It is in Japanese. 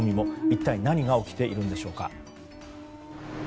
一体何が起きているんでしょうか。